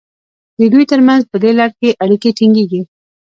د دوی ترمنځ په دې لړ کې اړیکې ټینګیږي.